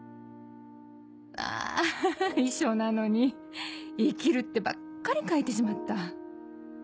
「あ遺書なのに『生きる』ってばっかり書いてしまった。